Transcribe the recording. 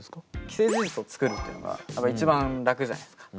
既成事実を作るっていうのが一番楽じゃないですか。